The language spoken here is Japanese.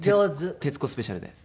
徹子スペシャルで今日は。